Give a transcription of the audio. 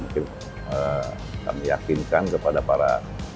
mungkin kami yakinkan kepada para